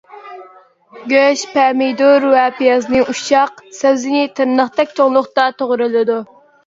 گۆش، پەمىدۇر ۋە پىيازنى ئۇششاق، سەۋزىنى تىرناقتەك چوڭلۇقتا توغرىلىدۇ.